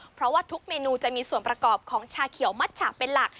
เพราะว่าทุกเมนูจะมีส่วนประกอบของชาเขียวมัดฉากเป็นหลัก